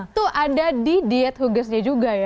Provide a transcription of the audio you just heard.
itu ada di diet hugesnya juga ya